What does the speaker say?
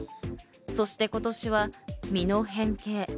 そして今年は実の変形。